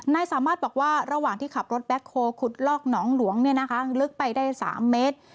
นายสามารถบอกว่าระหว่างที่ขับรถแบ็คโฮลขุดลอกหนองหลวงลึกไปได้๓เมตร